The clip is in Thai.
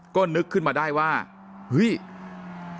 ก็นึกขึ้นมาได้ว่าเฮ้ย